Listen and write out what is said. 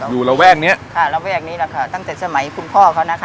ระแวกเนี้ยค่ะระแวกนี้แหละค่ะตั้งแต่สมัยคุณพ่อเขานะคะ